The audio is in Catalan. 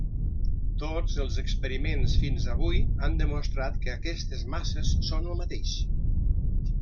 Tots els experiments fins avui han demostrat que aquestes masses són el mateix.